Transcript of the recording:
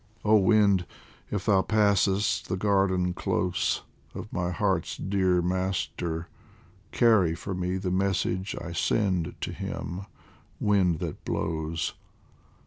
Oh wind, if thou passest the garden close Of my heart's dear master, carry for me The message I send to him, wind that blows